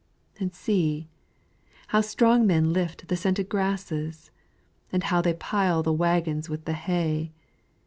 And see, how strong men lift the scented grasses! And how they pile the wagons with the hay!